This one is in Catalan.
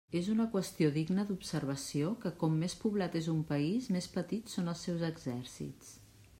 És una qüestió digna d'observació que com més poblat és un país més petits són els seus exèrcits.